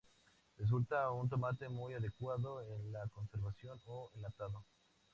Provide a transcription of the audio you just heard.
Resulta un tomate muy adecuado en la conservación o enlatado.